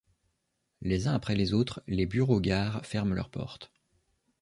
Les uns après les autres les bureaux-gares ferment leurs portes.